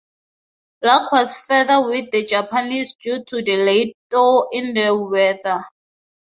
Luck was further with the Japanese due to the late thaw in the weather.